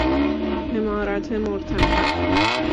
عمارت مرتفع